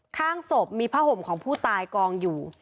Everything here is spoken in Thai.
ข้างศพมีผ้าห่มของผู้ตายกองอยู่